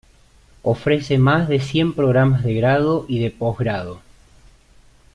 Ofrece más de cien programas de grado y de posgrado.